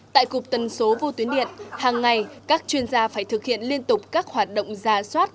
tại cục tần số vô tuyến điện hàng ngày các chuyên gia phải thực hiện liên tục các hoạt động giả soát